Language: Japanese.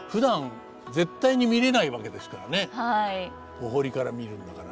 お堀から見るんだから。